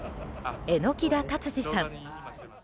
榎田達治さん。